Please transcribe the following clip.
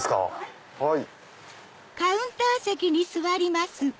はい。